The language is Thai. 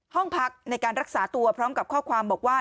ห้องพักในการรักษาตัวพร้อมกับข้อความบอกว่า